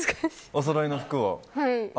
おそろいの服を？